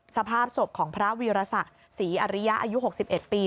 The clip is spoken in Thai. สภาพศพของพระวีรศักดิ์ศรีอริยะอายุ๖๑ปี